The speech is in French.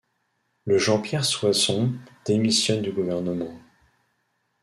Le Jean-Pierre Soisson démissionne du gouvernement.